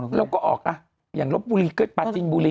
แสดงออกละอย่างรถบุรีปาจินบุรี